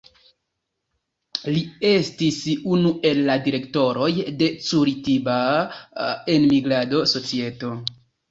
Li estis unu el la direktoroj de Curitiba Enmigrado Societo.